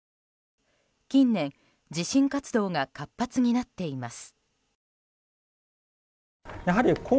近年、地震活動が活発になっています。